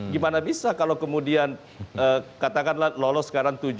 gimana bisa kalau kemudian katakanlah lolos sekarang tujuh